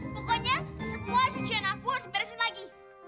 pokoknya semua cucian aku harus beresin lagi